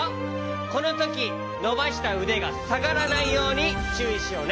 このときのばしたうでがさがらないようにちゅういしようね。